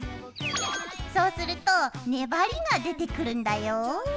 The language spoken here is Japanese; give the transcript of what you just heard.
そうすると粘りが出てくるんだよ。